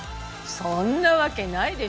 そんなわけないでしょ。